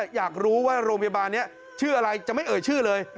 อยากรู้ว่าโรงพยาบาลนี้ชื่ออะไรจะไม่เอ่ยชื่อเลย